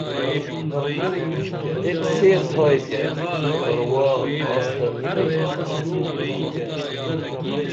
ایک سے تھائی تیہ پرواہ کاس تہ نی کُنا